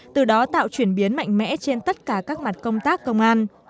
từ đó tạo chuyển biến mạnh mẽ trên tất cả các mặt công tác công an